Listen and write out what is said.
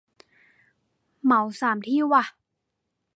เหมาสามที่ว่ะ